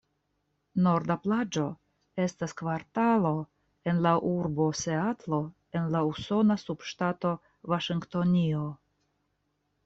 Norda Plaĝo estas kvartalo en la urbo Seatlo en la usona subŝtato Vaŝingtonio.